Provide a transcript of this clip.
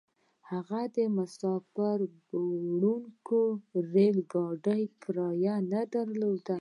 هغه د مساپر وړونکي ريل ګاډي کرايه نه درلوده.